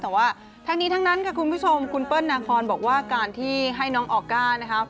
แต่ว่าทั้งนี้ทั้งนั้นค่ะคุณผู้ชมคุณเปิ้ลนาคอนบอกว่าการที่ให้น้องออก้านะคะ